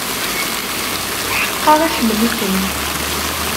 Tḥeqqeɣ iḥemmel-ikem.